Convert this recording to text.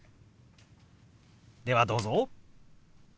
ではどうぞ。